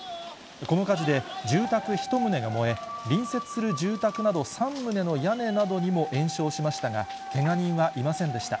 この火事で、住宅１棟が燃え、隣接する住宅など３棟の屋根などにも延焼しましたが、けが人はいませんでした。